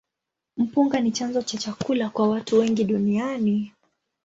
Mpunga ni chanzo cha chakula kwa watu wengi duniani.